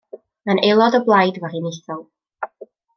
Mae'n aelod o Blaid Weriniaethol.